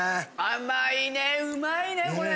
甘いねうまいねこれ！